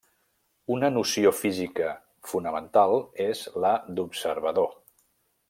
Una noció física fonamental és la d'observador.